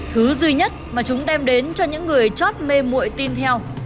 thứ duy nhất mà chúng đem đến cho những người chót mê mụi tin theo